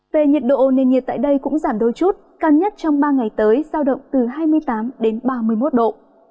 về nhiệt độ nền nhiệt tại đây cũng giảm đôi chút cao nhất trong ba ngày tới sao động từ hai mươi tám đến ba mươi một độ